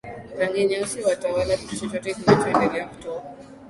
rangi nyeusi watala kitu chochote kinachoendelea kutoka